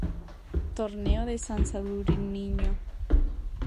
Torneo de San Sadurniño.